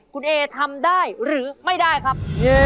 คุณเอทำได้หรือไม่ได้ครับ